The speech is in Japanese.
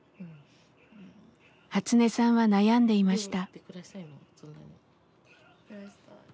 ハツネさんは悩んでいました。